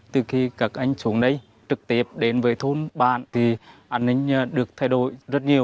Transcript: từ khi các anh xuống đây trực tiếp đến với thôn bản thì an ninh được thay đổi rất nhiều